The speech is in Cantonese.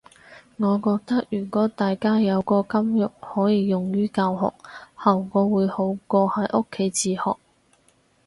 我覺得如果大家有個監獄可以用於教學，效果會好過喺屋企自學